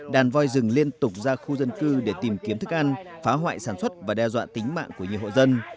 đàn voi rừng liên tục ra khu dân cư để tìm kiếm thức ăn phá hoại sản xuất và đe dọa tính mạng của nhiều hộ dân